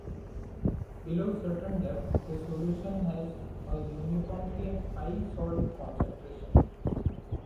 Below a certain depth, the solution has a uniformly high salt concentration.